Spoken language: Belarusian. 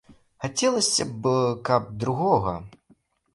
Хацелася б, каб другога.